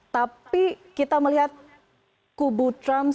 tapi kita melihat kubu trump